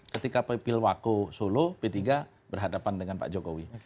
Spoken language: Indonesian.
ketika pilwako solo p tiga berhadapan dengan pak jokowi